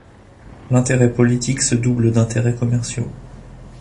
L'intérêt politique se double d'intérêts commerciaux.